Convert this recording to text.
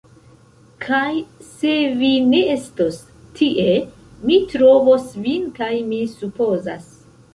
Kaj se vi ne estos tie, mi trovos vin kaj mi supozas